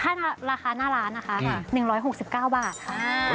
ฮังเลตอนนี้ราคาราคาหน้าร้านนะคะ๑๖๙บาทค่ะ